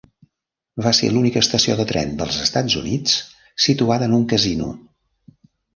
Va ser l'única estació de tren dels Estats Units situada en un casino.